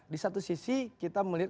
di satu sisi kita melihat